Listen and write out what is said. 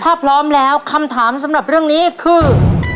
ถ้าพร้อมแล้วคำถามสำหรับเรื่องนี้คือ